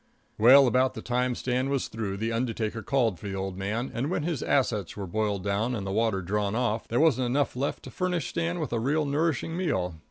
Well, about the time Stan was through, the undertaker called by for the old man, and when his assets were boiled down and the water drawn off, there wasn't enough left to furnish Stan with a really nourishing meal.